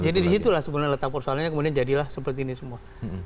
jadi di situlah sebenarnya letak persoalannya kemudian jadilah seperti ini semua